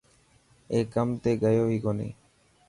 اي ڪم تي گيو هي ڪوني.